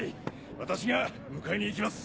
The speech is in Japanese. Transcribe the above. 私が迎えに行きます。